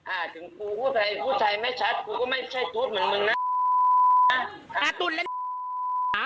อ่าถึงกูพูดไทยพูดไทยไม่ชัดกูก็ไม่ใช่ทูปเหมือนมึงนะอ่า